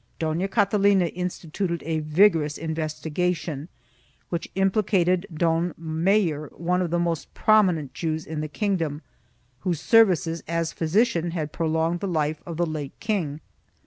Dona Catalina instituted a vigorous investigation which implicated Don Mayr, one of the most prominent Jews in the kingdom, whose services as physician had prolonged the life of the late king.